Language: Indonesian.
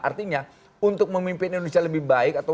artinya untuk memimpin indonesia lebih baik atau